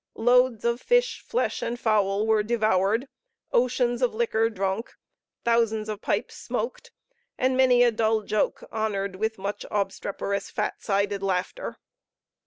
Loads of fish, flesh, and fowl were devoured, oceans of liquor drunk, thousands of pipes smoked, and many a dull joke honored with much obstreperous fat sided laughter.